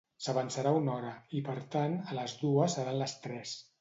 S'avançarà una hora, i per tant, a les dues seran les tres.